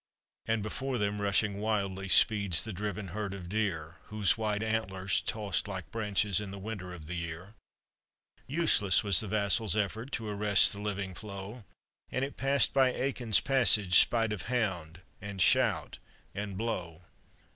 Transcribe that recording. And, before them, rushing wildly, Speeds the driven herd of deer, "Whose wide antlers, tossed like branches, In the winter of the year. Useless was the vassal's effort To arrest the living flow, And it passed by Eachann's passage, Spite of hound, and shout, and blow.